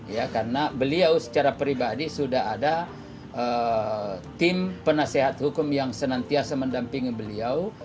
ya karena beliau secara pribadi sudah ada tim penasehat hukum yang senantiasa mendampingi beliau